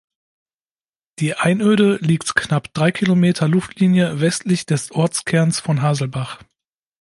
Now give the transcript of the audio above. Die Einöde liegt knapp drei Kilometer Luftlinie westlich des Ortskerns von Haselbach.